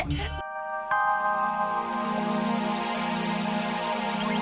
ya ini masih banyak